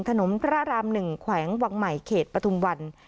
ถนนพระรามหนึ่งขวังวังใหม่เขตปทุมวัน